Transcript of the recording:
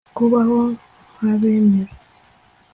kubaho nk'abemera